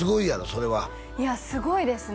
それはいやすごいですね